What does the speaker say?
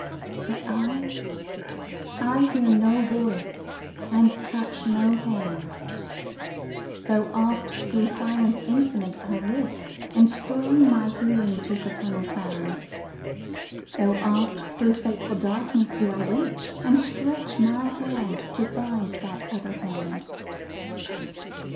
But I I hear no voice and touch no hand, Tho' oft thro' silence infinite I list, And strain my hearing to supernal sounds; Tho' oft thro' fateful darkness do I reach, And stretch my hand to find that other hand.